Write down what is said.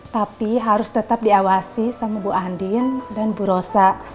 tapi harus tetap diawasi sama bu andin dan bu rosa